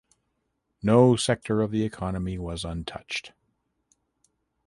No sector of the economy was untouched.